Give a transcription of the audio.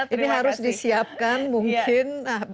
ini harus disiapkan mungkin